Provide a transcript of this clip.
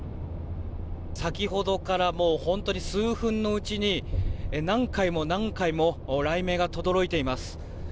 先ほどから、本当に数分のうちに何回も何回も雷鳴がとどろいています。